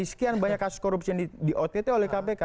dari sekian banyak kasus korupsi yang diotet oleh kpk